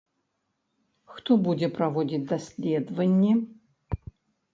Хто будзе праводзіць даследаванні?